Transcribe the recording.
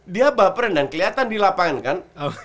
dia baperan dan kelihatan di lapangan kan